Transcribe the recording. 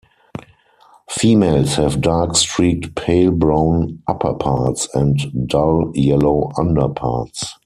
Females have dark-streaked pale brown upperparts and dull yellow underparts.